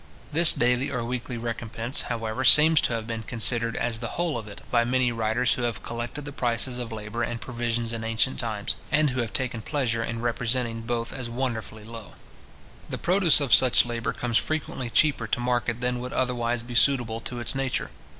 This daily or weekly recompence, however, seems to have been considered as the whole of it, by many writers who have collected the prices of labour and provisions in ancient times, and who have taken pleasure in representing both as wonderfully low. The produce of such labour comes frequently cheaper to market than would otherwise be suitable to its nature.